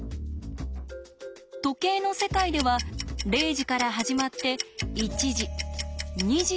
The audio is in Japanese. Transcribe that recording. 時計の世界では０時から始まって１時２時と進んでいくと。